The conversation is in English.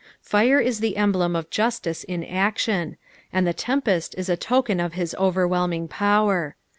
Fire is the emblem of justice in action, and the tempest is a token of hia overwhelming power.